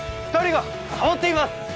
２人がサボっています！